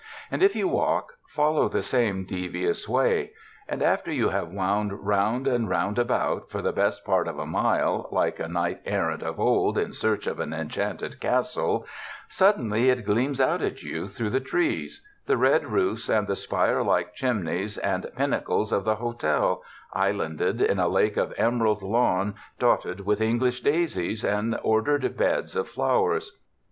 And, if you walk, follow the same de vious way. And after jou have wound round and round about for the best part of a mile, like a knight errant of old in search of an enchanted cas tle, suddenly it gleams out at you through the trees — the red roofs and spirelike chimneys and pinna cles of the hotel, islanded in a lake of emerald lawn dotted with English daisies and ordered beds of flowers.